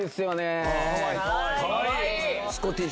かわいい！